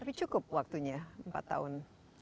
tapi cukup waktunya empat tahun